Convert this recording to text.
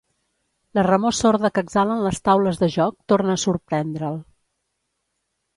La remor sorda que exhalen les taules de joc torna a sorprendre'l.